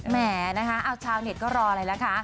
แหมนะคะเอาชาวเน็ตก็รออะไรล่ะคะ